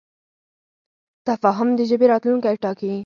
تفاهم د ژبې راتلونکی ټاکي.